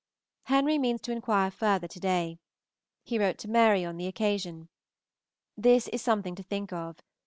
Henry means to inquire further to day. He wrote to Mary on the occasion. This is something to think of.